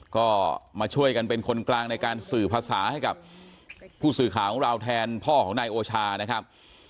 ก็มาช่วยกันเป็นคนกลางในการสื่อภาษาให้กับผู้สื่อข่าวของเราแทนพ่อของนายโอชานะครับ